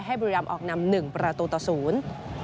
ให้บริรามออกนำ๑ประตูต่อศูนย์